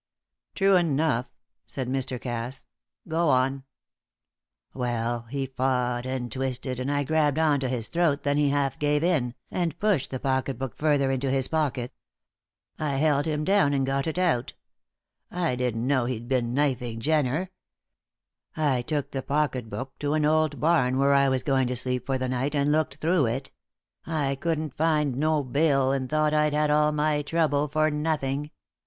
"True enough," said Mr. Cass. "Go on." "Well, he fought and twisted, and I grabbed on to his throat then he half gave in, and pushed the pocket book further into his pocket. I held him down and got it out. I didn't know he'd been knifing Jenner. I took the pocket book to an old barn where I was going to sleep for the night, and looked through it; I couldn't find no bill, and thought I'd had all my trouble for nothing.